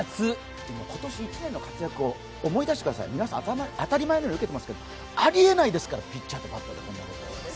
今年１年の活躍を思い出してください、皆さん、当たり前のように受けてますけど、ありえないですから、ピッチャーとバッターなんて。